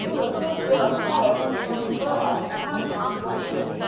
"We're a good deal higher than we were at the camp, aren't we?"